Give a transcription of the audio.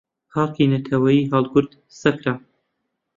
پارکی نەتەوەییی هەڵگورد سەکران